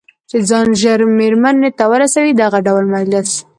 چې ځان ژر مېرمنې ته ورسوي، دغه ډول مجلس.